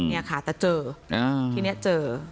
นี่ค่ะแต่เจอทีนี้เจอ